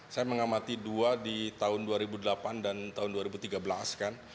saya mengamati dua di tahun dua ribu delapan dan tahun dua ribu tiga belas kan